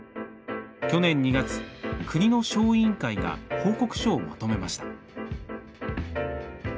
去年２月、国の小委員会が報告書をまとめました。